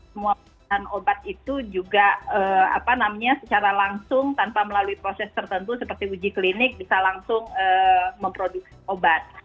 semua obat itu juga secara langsung tanpa melalui proses tertentu seperti uji klinik bisa langsung memproduksi obat